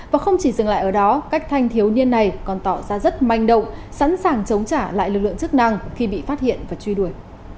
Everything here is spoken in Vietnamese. và không chỉ dừng lại ở đó các thanh thiếu niên này còn tỏ ra rất manh động sẵn sàng chống trả lại lực lượng chức năng khi bị phát hiện và truy đuổi